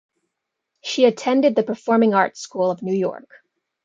She attended the Performing Arts School Of New York.